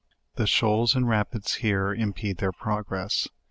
The shoals and rapids here impede their progress.